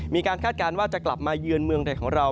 คาดการณ์ว่าจะกลับมาเยือนเมืองไทยของเรา